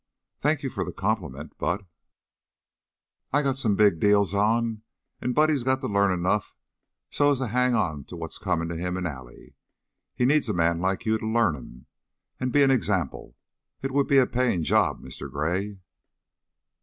"Thank you for the compliment, but " "I got some big deals on, an' Buddy's got to learn enough so's to hang onto what's comin' to him an' Allie. He needs a man like you to learn him, an' be an example. It would be a payin' job, Mister Gray."